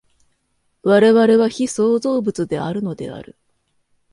我々は被創造物であるのである。